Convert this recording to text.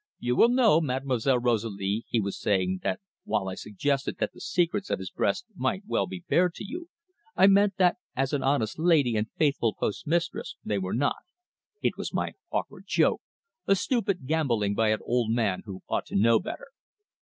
"You will know, Mademoiselle Rosalie," he was saying, "that while I suggested that the secrets of his breast might well be bared to you, I meant that as an honest lady and faithful postmistress they were not. It was my awkward joke a stupid gambolling by an old man who ought to know better."